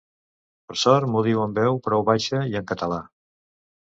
Per sort, m'ho diu en veu prou baixa i en català.